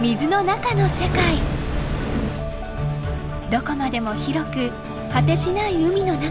どこまでも広く果てしない海の中。